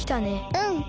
うん。